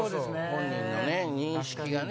本人の認識がね。